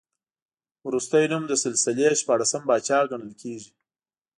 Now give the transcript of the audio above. وروستی نوم د سلسلې شپاړسم پاچا ګڼل کېږي.